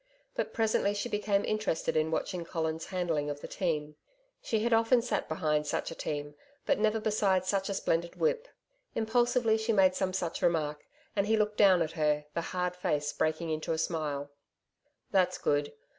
But presently she became interested in watching Colin's handling of the team. She had often sat behind such a team, but never beside such a splendid whip. Impulsively she made some such remark, and he looked down at her, the hard face breaking into a smile. 'That's good....